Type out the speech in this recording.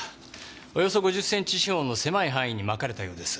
およそ５０センチ四方の狭い範囲にまかれたようです。